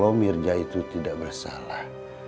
oh mirja itu tidak bersalah